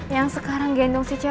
yang sekarang gendong si ca